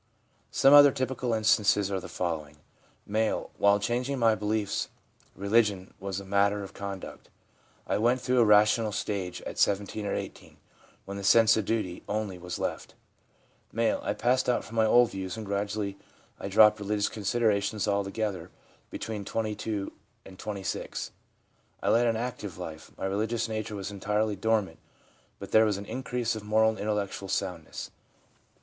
Some other typical instances are the following : M. ' While changing my beliefs, religion was more a matter of conduct. I went through a rational stage at 17 or 18, when the sense of duty only was left/ M. ' I passed out from my old views and gradually I dropped religious considera tions altogether between 22 and 26. I led an active life. My religious nature was entirely dormant, but there was an increase of moral and intellectual soundness/ M.